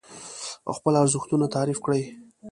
او خپل ارزښتونه تعريف کړئ.